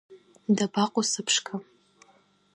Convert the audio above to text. Дабаҟоу сыԥшқа?